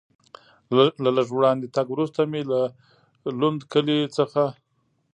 له لږ وړاندې تګ وروسته مې له لوند کلي څخه.